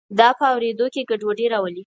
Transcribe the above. دا په اوریدو کې ګډوډي راولي.